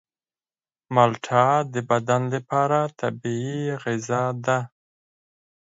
مالټه د بدن لپاره طبیعي غذا ده.